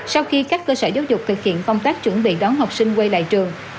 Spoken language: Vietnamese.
sau khi các cơ sở giáo dục thực hiện công tác chuẩn bị đón học sinh quay lại trường